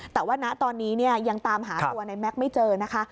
แต่ว่าณตอนนี้ยังตามหาตัวในแม็กซ์ไม่เจอนะคะ